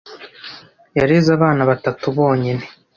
Yareze abana batatu bonyine.